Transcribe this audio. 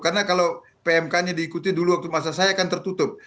karena kalau pmk nya diikuti dulu waktu masa saya kan tertutup